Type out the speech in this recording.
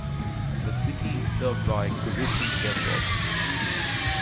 The city is served by Gurupi Airport.